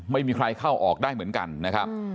ไม่มีใครเข้าออกได้เหมือนกันนะครับ